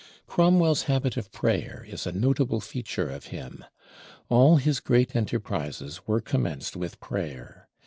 Cromwell's habit of prayer is a notable feature of him. All his great enterprises were commenced with prayer.